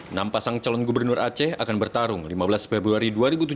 enam pasang calon gubernur aceh akan bertarung lima belas februari dua ribu tujuh belas